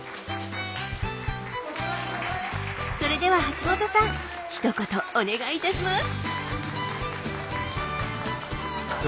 それでは橋本さんひと言お願いいたします。